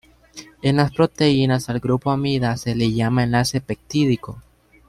En las proteínas al grupo amida se le llama enlace peptídico.